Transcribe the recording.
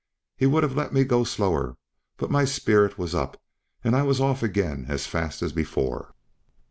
He would have let me go slower, but my spirit was up, and I was off again as fast as before.